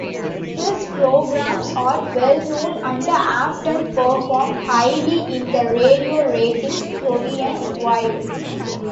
These programs are well known and often perform highly in the radio ratings province-wide.